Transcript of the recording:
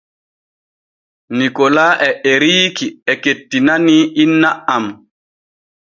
Nikola e Eriiki e kettinanii inna am.